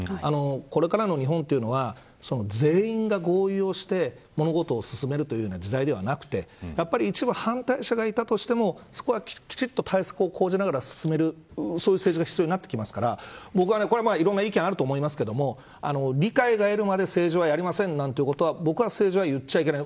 これからの日本というのは全員が合意をして物事を進めるというような時代ではなくて一部反対者がいたとしてもそこはきちんと対策を講じながら進めるそういう政治が必要になってきますからこれはいろんな意見があると思いますが理解を得るまで政治はやりませんということは僕は政治は言ってはいけない。